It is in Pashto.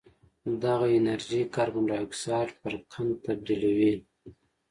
دغه انرژي کاربن ډای اکسایډ پر قند تبدیلوي